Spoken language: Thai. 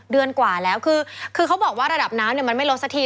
เดือนกว่าแล้วคือเขาบอกว่าระดับน้ำมันไม่ลดสักที